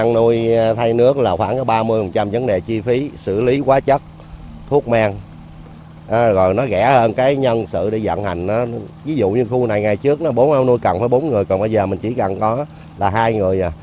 ngày trước bốn ao nuôi cần phải bốn người còn bây giờ mình chỉ cần có là hai người